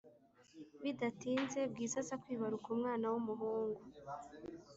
bidatinze bwiza aza kwibaruka umwana wumuhungu